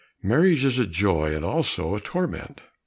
Marriage is a joy and also a torment."